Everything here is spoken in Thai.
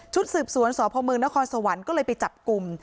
ชุดสืบสวนสพนครสวรรค์ก็เลยไปจับกลุ่ม